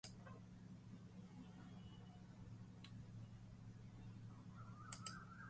Boniface and Alexius on the Aventine, with Radim adopting the name Gaudencius or Gaudentius.